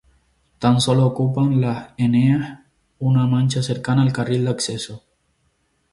Tan sólo ocupan las eneas una mancha cercana al carril de acceso.